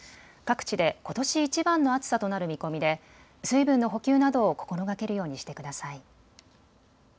各地でことしいちばんの暑さとなる見込みで水分の補給などを心がけるようにしてください。